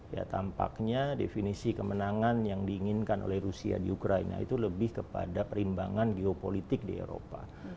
ya tampaknya definisi kemenangan yang diinginkan oleh rusia di ukraina itu lebih kepada perimbangan geopolitik di eropa